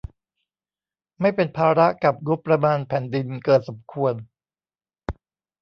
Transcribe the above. ไม่เป็นภาระกับงบประมาณแผ่นดินเกินสมควร